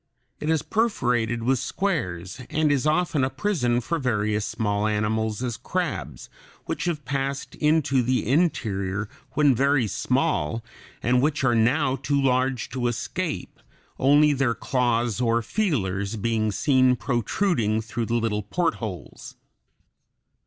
It is perforated with squares, and is often a prison for various small animals, as crabs, which have passed into the interior when very small and which are now too large to escape, only their claws or feelers being seen protruding through the little portholes.